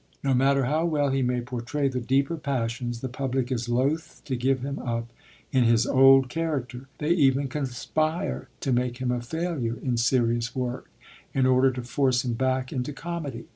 No matter how well he may portray the deeper passions, the public is loath to give him up in his old character; they even conspire to make him a failure in serious work, in order to force him back into comedy.